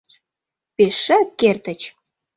Пешак кертыч.